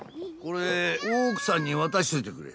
これ大奥さんに渡しといてくれ。